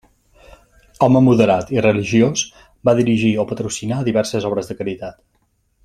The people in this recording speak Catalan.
Home moderat i religiós, va dirigir o patrocinar diverses obres de caritat.